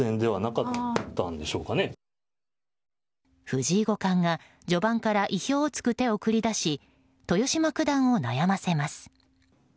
藤井五冠が序盤から意表を突く手を繰り出し豊島九段を悩ませます。